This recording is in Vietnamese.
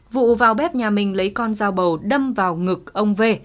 vụ vào bếp nhà mình lấy con dao bầu đâm vào ngực ông v